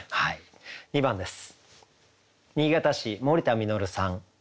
２番です。